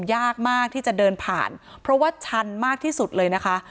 ยากมากที่จะเดินผ่านเพราะว่าชันมากที่สุดเลยนะคะ